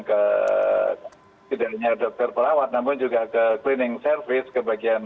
ke tidak hanya dokter perawat namun juga ke cleaning service ke bagian